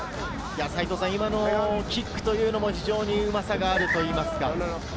今のキックも非常にうまさがあるといいますか。